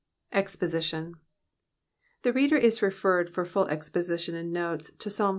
EXPOSITION. [The Reader is referred for full Exposition and Notes to Psalm XL.